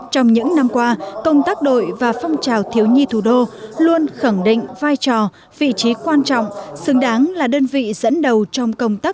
trong những năm qua công tác đội và phong trào thiếu nhi thủ đô luôn khẳng định vai trò vị trí quan trọng xứng đáng là đơn vị dẫn đầu trong công tác